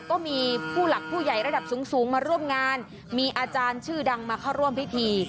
ก็มีผู้หลักผู้ใหญ่ระดับสูงมาร่วมงานมีอาจารย์ชื่อดังมาเข้าร่วมพิธี